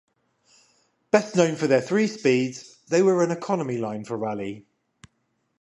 Best known for their three-speeds, they were an economy line for Raleigh.